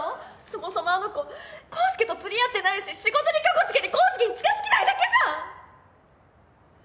そもそもあの子康介と釣り合ってないし仕事にかこつけて康介に近づきたいだけじゃん！